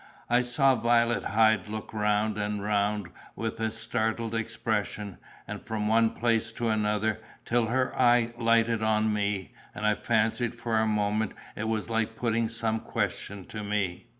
I saw Violet Hyde look round and round with a startled expression, and from one place to another, till her eye lighted on me, and I fancied for a moment it was like putting some question to me.